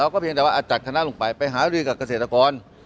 ขนาดลงไปไปหาดีกับเกษตรกร